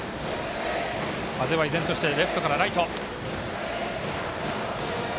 風は依然としてレフトからライト。